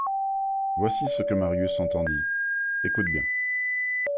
Voici ce que Marius entendit : Écoute bien.